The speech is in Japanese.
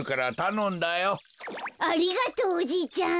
ありがとうおじいちゃん。